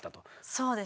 そうですね。